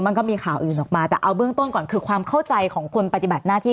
มันก็มีข่าวอื่นออกมาแต่เอาเบื้องต้นก่อนคือความเข้าใจของคนปฏิบัติหน้าที่